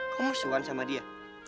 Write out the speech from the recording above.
kamu suan sama dia